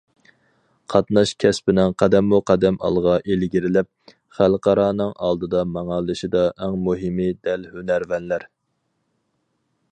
قاتناش كەسپىنىڭ قەدەممۇقەدەم ئالغا ئىلگىرىلەپ، خەلقئارانىڭ ئالدىدا ماڭالىشىدا ئەڭ مۇھىمى دەل ھۈنەرۋەنلەر.